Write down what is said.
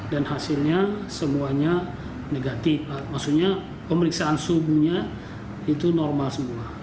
dan hasilnya semuanya negatif maksudnya pemeriksaan subuhnya itu normal semua